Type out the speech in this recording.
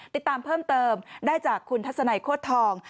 ติดตามเพิ่มเติมได้จากคุณทัศนัยโคตรทอง